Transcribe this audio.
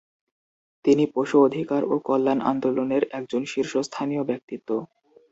তিনি পশু অধিকার ও কল্যাণ আন্দোলনের একজন শীর্ষস্থানীয় ব্যক্তিত্ব।